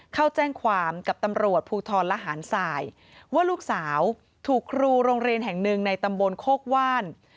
เข้าแจ้งความกับตำรวจภูทรละหารสายว่าลูกสาวถูกครูโรงเรียนแห่งหนึ่งในตำบลโคกว่าน